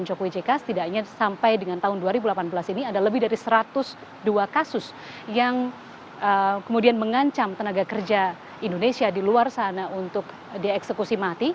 jokowi jk setidaknya sampai dengan tahun dua ribu delapan belas ini ada lebih dari satu ratus dua kasus yang kemudian mengancam tenaga kerja indonesia di luar sana untuk dieksekusi mati